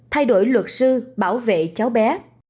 thay đổi luật sư bảo vệ cháu bé